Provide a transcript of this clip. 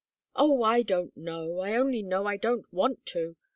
"Oh, I don't know! I only know I don't want to.